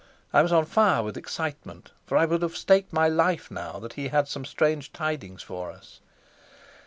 I was on fire with excitement, for I would have staked my life now that he had some strange tidings for us.